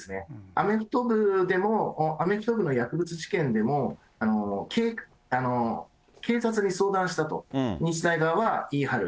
アメフト部でも、アメフト部の薬物事件でも、警察に相談したと、日大側は言い張る。